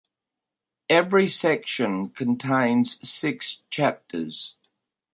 Every section contains six chapters.